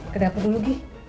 kedapet dulu gi